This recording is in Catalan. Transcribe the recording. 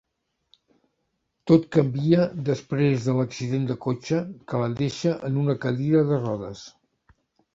Tot canvia després de l'accident de cotxe que la deixa en una cadira de rodes.